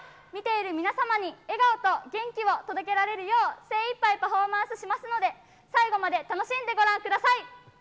見ている皆様に笑顔と元気を届けられるよう、精いっぱいパフォーマンスしますので、最後まで楽しんでご覧ください。